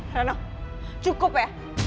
reno cukup ya